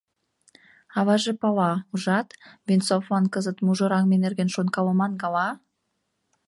Аваже пала, ужат, Венцовлан кызыт мужыраҥме нерген шонкалыман гала?